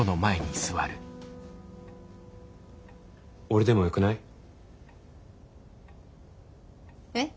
俺でもよくない？えっ？